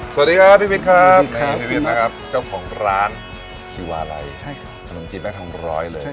สวัสดีครับพี่วิทครับเจ้าของร้านที่วาลัยขนมจีนแม่ทองร้อยเลย